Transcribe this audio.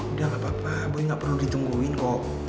udah nggak papa boy nggak perlu ditungguin kok